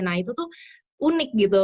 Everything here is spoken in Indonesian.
nah itu unik